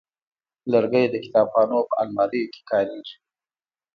لرګی د کتابخانو په الماریو کې کارېږي.